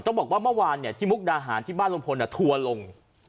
ต้องบอกว่าเมื่อวานเนี่ยที่มุกดาหารที่บ้านลมพลอ่ะทัวลง